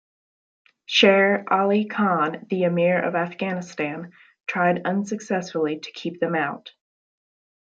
Sher Ali Khan, the Amir of Afghanistan, tried unsuccessfully to keep them out.